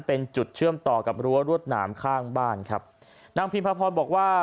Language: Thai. เป็นจุดเชื่อมต่อกับรั้วรวดหนามข้างบ้านครับนางพิมพาพรบอกว่า